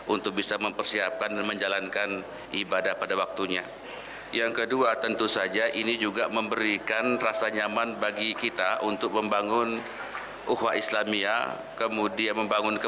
untuk bisa mempersiapkan dan menjalankan keberkahan dan mudah mudahan ini